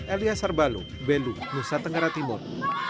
elia sarbalu belu nusa tenggara timur